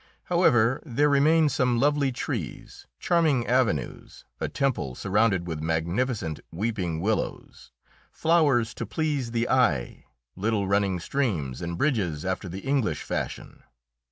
However, there remained some lovely trees, charming avenues, a temple surrounded with magnificent weeping willows, flowers to please the eye, little running streams, and bridges after the English fashion.